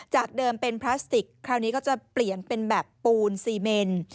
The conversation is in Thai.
เดิมเป็นพลาสติกคราวนี้ก็จะเปลี่ยนเป็นแบบปูนซีเมน